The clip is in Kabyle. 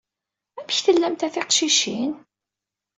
Amek tellamt a tiqcicin?